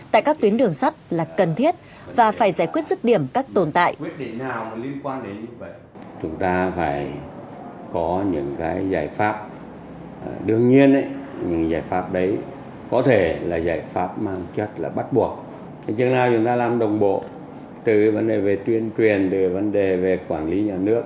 tại các tuyến đường sắt là cần thiết và phải giải quyết dứt điểm các tồn tại